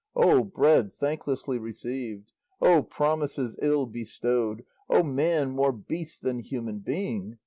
O bread thanklessly received! O promises ill bestowed! O man more beast than human being!